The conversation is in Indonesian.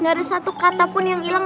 gak ada satu kata pun yang hilang